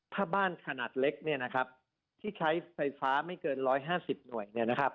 ถ้าบ้านขนาดเล็กที่ใช้ไฟฟ้าไม่เกิน๑๕๐หน่วย